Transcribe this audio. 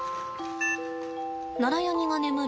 ナラヤニが眠る